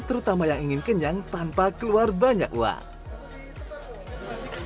terutama yang ingin kenyang tanpa keluar banyak uang